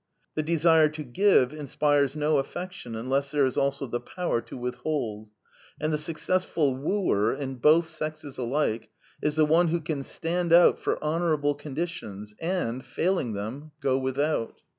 The desire to give inspires no affection unless there is also the power to withhold; and the successful wooer, in both sexes alike, is the one who can stand out for honorable conditions, and, failing them, go without.